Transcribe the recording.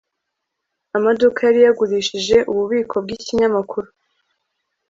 Amaduka yari yagurishije ububiko bwikinyamakuru